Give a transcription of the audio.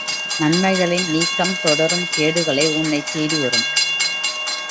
நன்மைகளின் நீக்கம் தொடரும் கேடுகள் உன்னைத் தேடி வரும்.